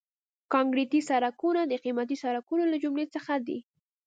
کانکریټي سړکونه د قیمتي سړکونو له جملې څخه دي